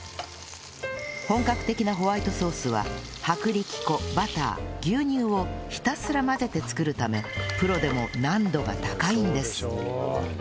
本格的なホワイトソースは薄力粉バター牛乳をひたすら混ぜて作るためプロでも難度が高いんです